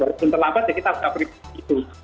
walaupun terlambat kita sudah berhenti